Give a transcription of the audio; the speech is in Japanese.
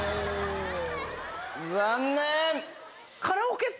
残念！